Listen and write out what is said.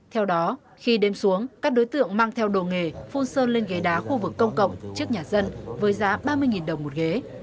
theo đó khi đêm xuống các đối tượng mang theo đồ nghề phun sơn lên ghế đá khu vực công cộng trước nhà dân với giá ba mươi đồng một ghế